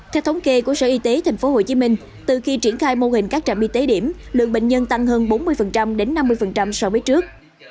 theo thống kê của sở y tế tp hcm từ khi triển khai mô hình các trạm y tế điểm lượng bệnh nhân tăng hơn bốn mươi đến năm mươi so với trước